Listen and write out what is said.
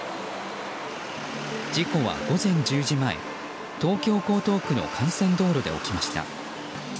事故は午前１０時前東京・江東区の幹線道路で起きました。